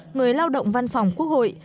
người lao động văn phòng quốc hội